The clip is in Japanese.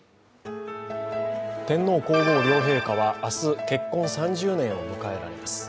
天皇皇后両陛下は明日、結婚３０年を迎えられます。